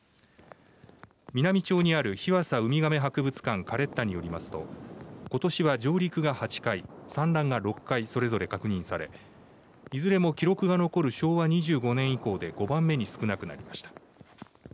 美波町にある日和佐うみがめ博物館カレッタによりますとことしは上陸が８回産卵が６回それぞれ確認されいずれも記録が残る昭和２５年以降で５番目に少なくなりました。